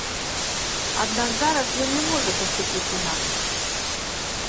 Аднак зараз ён не можа паступіць інакш.